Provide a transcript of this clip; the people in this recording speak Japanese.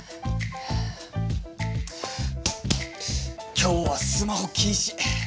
今日はスマホ禁止！